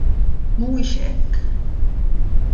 Mhuwiex hekk!